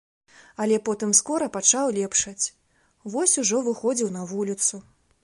Але потым скора пачаў лепшаць, вось ужо выходзіў на вуліцу.